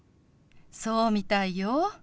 そうみたいよ。